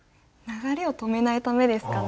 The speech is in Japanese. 流れを止めないためですか？